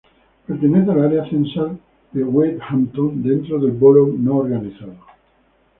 Pertenece al Área censal de Wade Hampton, dentro del Borough no organizado.